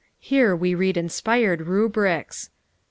Here we read inspired rubrics.